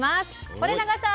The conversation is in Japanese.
是永さん。